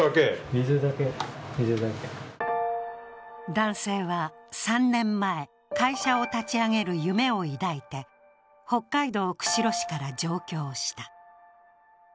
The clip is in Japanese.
男性は３年前、会社を立ち上げる夢を抱いて北海道釧路市から上京した。